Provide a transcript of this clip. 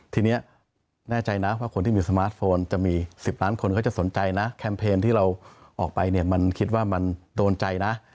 ทีนี้แน่ใจนะว่าคนที่มีสมาร์ทโฟนจะมี๑๐ล้านคนก็จะสนใจนะแคมเพญที่เราออกไปเนี่ยมันคิดว่ามันโดนใจนะ